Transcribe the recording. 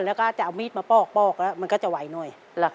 แล้วก็จะเอามีดมาปอกแล้วมันก็จะไหวหน่อย